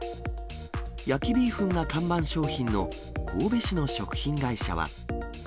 焼ビーフンが看板商品の神戸市の食品会社は。